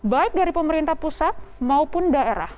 baik dari pemerintah pusat maupun daerah